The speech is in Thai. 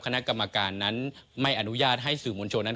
คณะกรรมการนั้นไม่อนุญาตให้สื่อมวลชนนั้น